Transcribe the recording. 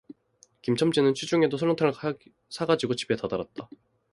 김첨지는 취중에도 설렁탕을 사가지고 집에 다다랐다.